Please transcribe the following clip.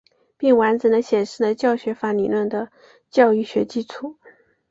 并完整地显示了教学法理论的教育学基础。